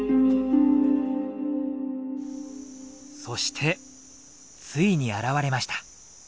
そしてついに現れました。